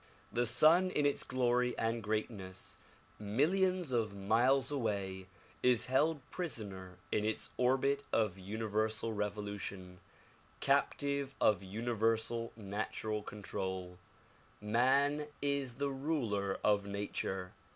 The sun in its glory and greatness millions of miles away is held prisoner in its orbit of universal revolution, captive of universal natural control. DISCOURSES DELIVERED IN PHILADELPHIA 173 Man is the ruler of nature.